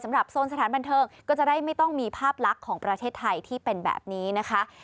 โซนสถานบันเทิงก็จะได้ไม่ต้องมีภาพลักษณ์ของประเทศไทยที่เป็นแบบนี้นะคะ